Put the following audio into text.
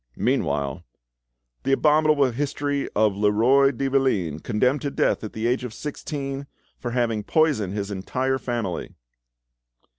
Meanwhile—— "The abominable history of Leroi de Valine, condemned to death at the age of sixteen for having poisoned his entire family!"